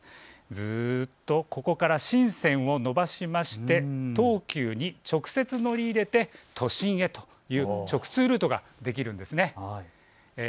ずっとここから新線をのばしまして東急に直接乗り入れて都心へという直通ルートができるんですね。